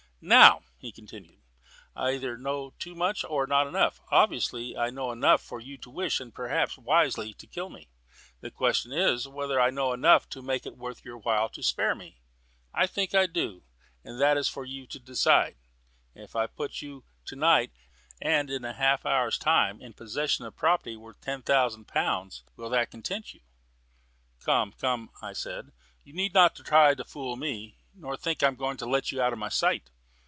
"Now," he continued, "I either know too much or not enough. Obviously I know enough for you to wish, and perhaps wisely, to kill me. The question is, whether I know enough to make it worth your while to spare me. I think I do; but that is for you to decide. If I put you to night, and in half an hour's time, in possession of property worth ten thousand pounds, will that content you?" "Come, come," I said, "you need not try to fool me, nor think I am going to let you out of my sight."